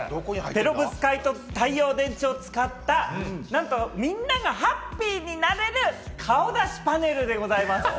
ペロブスカイト太陽電池を使った、なんとみんながハッピーになれる、顔出しパネルでございます。